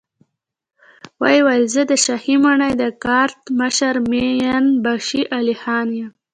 ويې ويل: زه د شاهي ماڼۍ د ګارد مشر مين باشي علی خان يم.